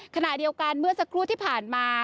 ขณะเดียวกันเมื่อสักครู่ที่ผ่านมา